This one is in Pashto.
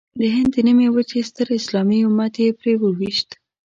د هند د نیمې وچې ستر اسلامي امت یې پرې وويشت.